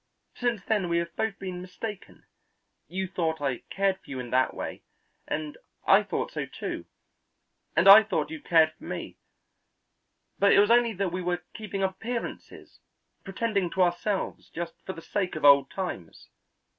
Since then we have both been mistaken; you thought I cared for you in that way, and I thought so, too, and I thought you cared for me; but it was only that we were keeping up appearances, pretending to ourselves just for the sake of old times.